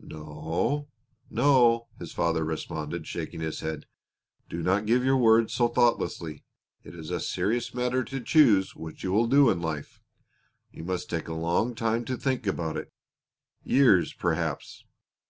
"No, no," his father responded, shaking his head. "Do not give your word so thoughtlessly. It is a serious matter to choose what you will do in life. You must take a long time to think about it years, perhaps.